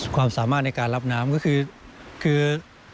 ความสามารถในการรับน้ำก็คือ